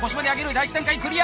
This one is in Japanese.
第１段階クリア！